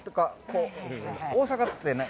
大阪ってね